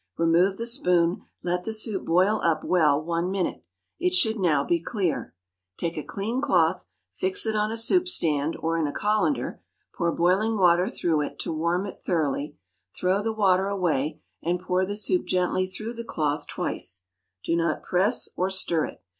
Remove the spoon, let the soup boil up well one minute. It should now be clear. Take a clean cloth, fix it on a soup stand or in a colander, pour boiling water through it, to warm it thoroughly; throw the water away, and pour the soup gently through the cloth twice; do not press or stir it.